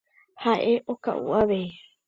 Ha'e oka'u avei.